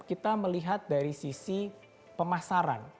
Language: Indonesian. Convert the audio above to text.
lalu kita akan melihat dari sisi pemasaran